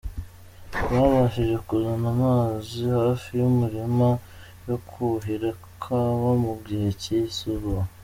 Babashije kuzana amazi hafi y’umurima yo kuhira kawa mu gihe cy’izuba.